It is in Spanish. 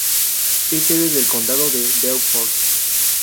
Es sede del condado de Beaufort.